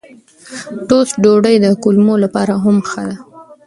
ټوسټ ډوډۍ د کولمو لپاره هم ښه ده.